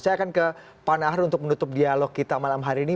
saya akan ke pak nahar untuk menutup dialog kita malam hari ini